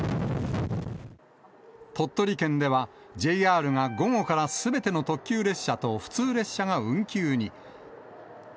鳥取県では、ＪＲが午後からすべての特急列車と普通列車が運休に。